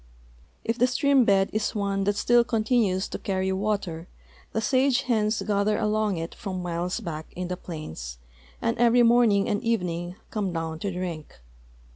If the stream bed is one that still con tinues to carry water, the sage hens gather along it from miles back in the plains, and every morning and evening come down to driidc.